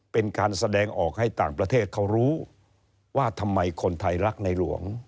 เป็นการแสดงออกให้ต่างประเทศเขารู้ว่าทำไมคนไทยรักในหลวง